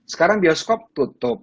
sekarang bioskop tutup